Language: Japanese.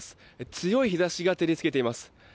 強い日差しが照り付けています。